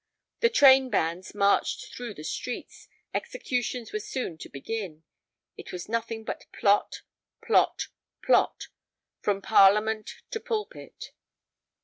The train bands marched through the streets; executions were soon to begin; it was nothing but Plot—Plot—Plot—from Parliament to Pulpit.